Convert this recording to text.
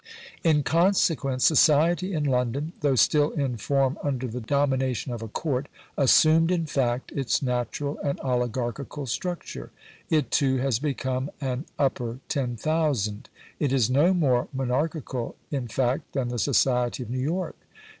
In consequence, society in London, though still in form under the domination of a Court, assumed in fact its natural and oligarchical structure. It, too, has become an "upper ten thousand"; it is no more monarchical in fact than the society of New York.